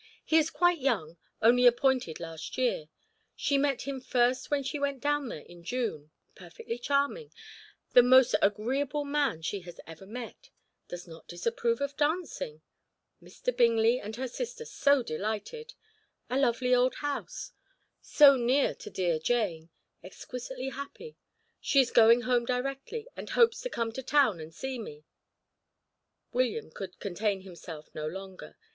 He is quite young only appointed last year she met him first when she went down there in June perfectly charming the most agreeable man she has ever met does not disapprove of dancing Mr. Bingley and her sister so delighted a lovely old house so near to dear Jane exquisitely happy she is going home directly, and hopes to come to town and see me." William could contain himself no longer.